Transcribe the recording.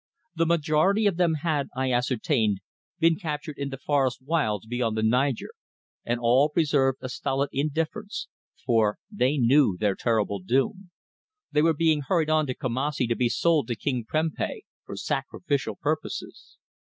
The majority of them had, I ascertained, been captured in the forest wilds beyond the Niger, and all preserved a stolid indifference, for they knew their terrible doom. They were being hurried on to Kumassi to be sold to King Prempeh for sacrificial purposes.